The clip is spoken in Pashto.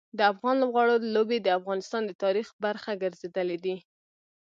د افغان لوبغاړو لوبې د افغانستان د تاریخ برخه ګرځېدلي دي.